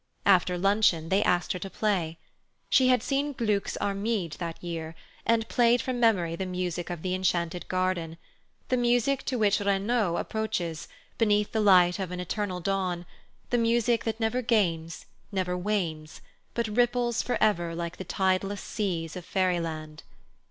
After luncheon they asked her to play. She had seen Gluck's Armide that year, and played from memory the music of the enchanted garden—the music to which Renaud approaches, beneath the light of an eternal dawn, the music that never gains, never wanes, but ripples for ever like the tideless seas of fairyland.